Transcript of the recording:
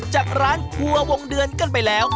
จากร้านครัววงเดือนกันไปแล้ว